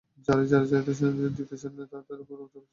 যাঁরা ইজারা দিতে চাইছেন না, তাঁদের ওপর চাপ সৃষ্টি করা হচ্ছে।